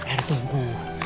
ah r tunggu